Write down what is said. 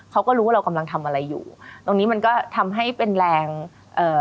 เขาก็รู้ว่าเรากำลังทำอะไรอยู่ตรงนี้มันก็ทำให้เป็นแรงเอ่อ